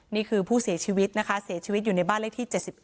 นี่คือผู้เสียชีวิตนะคะเสียชีวิตอยู่ในบ้านเลขที่๗๑